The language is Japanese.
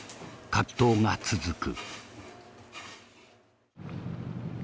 葛藤が続く。